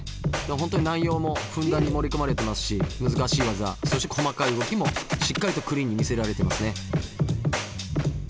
本当に内容もふんだんに盛り込まれてますし難しい技そして細かい動きもしっかりとクリーンに見せられてますね。